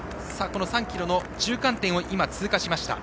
３ｋｍの中間点を通過しました。